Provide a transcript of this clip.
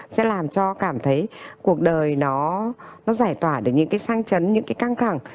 sẽ làm cho cảm thấy cuộc đời nó giải tỏa được những cái sang chấn những cái căng thẳng